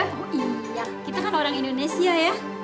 oh iya kita kan orang indonesia ya